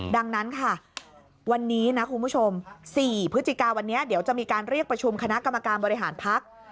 ดังนั้นค่ะวันนี้นะคุณผู้ชม๔พฤศจิกาวันนี้เดี๋ยวจะมีการเรียกประชุมคณะกรรมการบริหารพัก